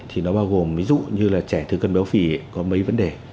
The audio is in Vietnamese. thì nó bao gồm ví dụ như là trẻ thừa cân béo phì có mấy vấn đề